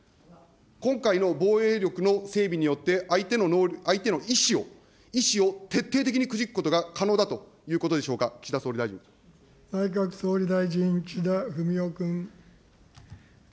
今回の防衛力の整備によって、相手の意思を、意思を徹底的にくじくことが可能だということでしょうか、岸田総内閣総理大臣、岸田文雄君。